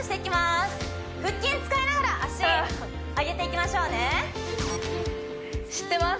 腹筋使いながら脚上げていきましょうね知ってます